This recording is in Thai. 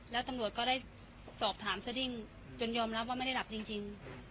แล้วตำรวจก็ได้สอบถามสดิ้งจนยอมรับว่าไม่ได้หลับจริง